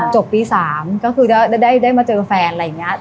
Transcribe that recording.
จบปี๓ก็คือได้มาเจอแฟนอะไรอย่างนี้